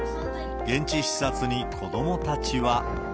現地視察に子どもたちは。